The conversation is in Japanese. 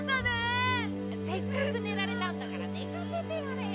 せっかく寝られたんだから寝かせてやれよ。